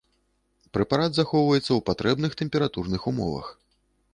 Прэпарат захоўваецца ў патрэбных тэмпературных умовах.